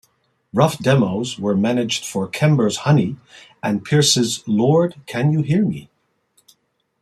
Rough demos were managed for Kember's "Honey" and Pierce's "Lord Can You Hear Me?".